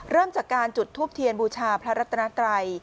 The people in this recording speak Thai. เริ่มจากการจุดทูปเทียนบูชาพระรัตนาไตร